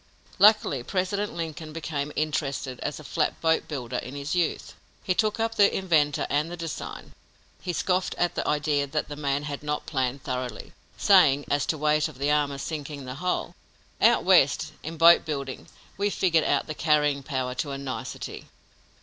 Luckily, President Lincoln became interested as a flat boat builder, in his youth. He took up the inventor and the design. He scoffed at the idea that the man had not planned thoroughly, saying, as to the weight of the armor sinking the hull: "Out West, in boat building, we figured out the carrying power to a nicety."